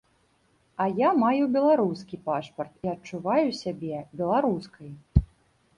А я маю беларускі пашпарт і адчуваю сябе беларускай.